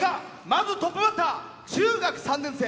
まずトップバッター中学３年生。